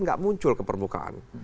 tidak muncul ke permukaan